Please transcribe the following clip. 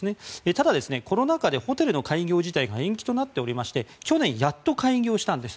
ただ、コロナ禍でホテルの開業自体が延期となっていまして去年やっと開業したんです。